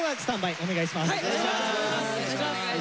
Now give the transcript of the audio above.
お願いします。